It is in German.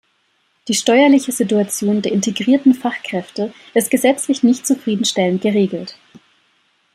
Die steuerliche Situation der integrierten Fachkräfte ist gesetzlich nicht zufriedenstellend geregelt.